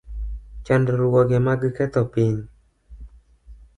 Chandruoge mag ketho piny